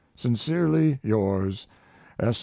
Sincerely yours, S.